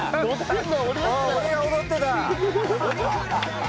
俺が踊ってた！